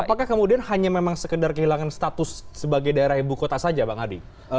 apakah kemudian hanya memang sekedar kehilangan status sebagai daerah ibu kota saja bang adi